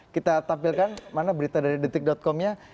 kita tampilkan mana berita dari detik com nya